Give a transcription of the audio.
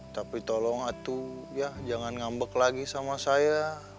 tapi tolong atu ya jangan ngambek lagi sama saya